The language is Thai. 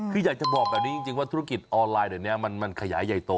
คืออยากจะบอกแบบนี้จริงว่าธุรกิจออนไลน์เดี๋ยวนี้มันขยายใหญ่โต